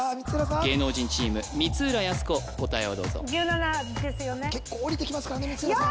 芸能人チーム答えをどうぞ結構降りてきますからね光浦さん